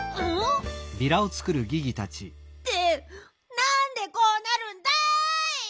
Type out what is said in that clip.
ってなんでこうなるんだい！